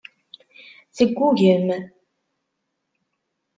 Teggugem.